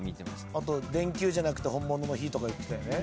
あと電球じゃなくて本物の火とか言ってたよね。